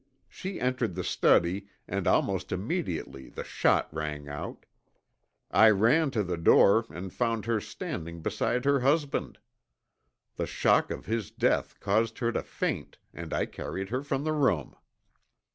She entered the study and almost immediately the shot rang out. I ran to the door and found her standing beside her husband. The shock of his death caused her to faint and I carried her from the room.